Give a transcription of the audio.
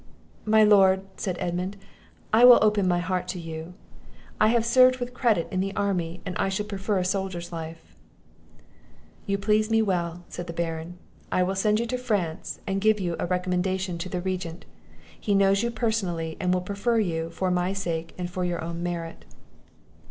"My lord," said Edmund, "I will open my heart to you. I have served with credit in the army, and I should prefer a soldier's life." "You please me well," said the Baron; "I will send you to France, and give you a recommendation to the Regent; he knows you personally, and will prefer you, for my sake, and for your own merit."